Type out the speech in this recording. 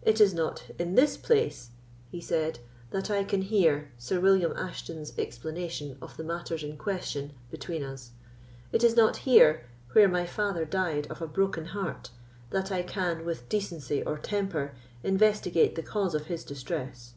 "It is not in this place," he said, "that I can hear Sir William Ashton's explanation of the matters in question between us. It is not here, where my father died of a broken heart, that I can with decency or temper investigate the cause of his distress.